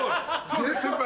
先輩。